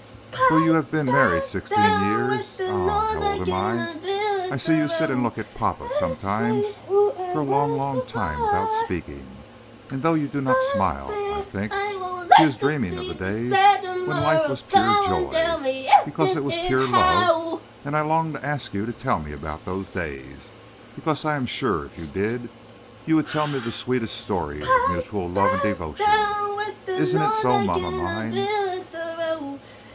Though you have been married sixteen years ah, how old I am! I see you sit and look at papa sometimes, for a long, long time without speaking, and though you do not smile, I think, 'She is dreaming of the days when life was pure joy, because it was pure love,' and I long to ask you to tell me about those days, because I am sure, if you did, you would tell me the sweetest story of mutual love and devotion. Isn't it so, mamma mine?"